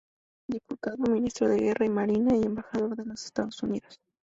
Diputado, Ministro de Guerra y Marina y embajador en los Estados Unidos.